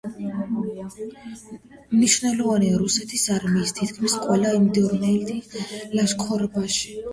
მონაწილეობდა რუსეთის არმიის თითქმის ყველა იმდროინდელ ლაშქრობაში.